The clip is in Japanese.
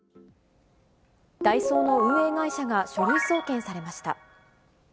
ＤＡＩＳＯの運営会社が書類送検されました。